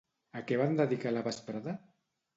A què van dedicar la vesprada?